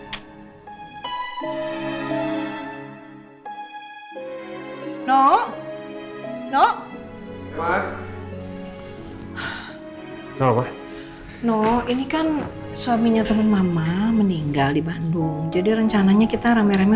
dong nuh ngomong ngomong ini kan suaminya teman mama meninggal di bandung jadi rencananya kita rame reme